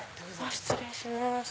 失礼します。